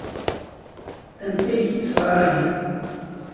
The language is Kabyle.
Anta ay k-yessɣarayen?